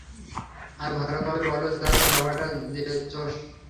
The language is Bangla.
আরো ভালোভাবে বললে, যা তোর বাবারটা গিয়ে চোষ।